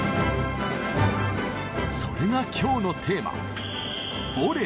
それが今日のテーマ